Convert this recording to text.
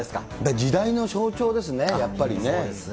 時代の象徴ですね、やっぱりそうですね。